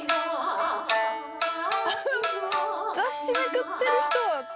雑誌めくってる人は。